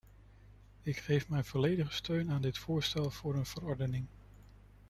Ik geef mijn volledige steun aan dit voorstel voor een verordening.